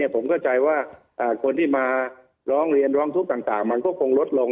ผมเข้าใจว่าคนที่มาร้องเรียนร้องทุกข์ต่างมันก็คงลดลง